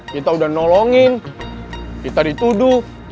kita udah nolongin kita dituduh